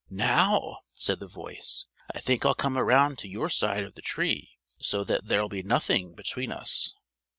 "Now," said the voice, "I think I'll come around to your side of the Tree so that there'll be nothing between us!"